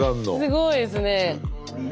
すごいですね。